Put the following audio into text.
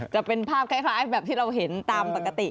จะเป็นภาพคล้ายแบบที่เราเห็นตามปกติ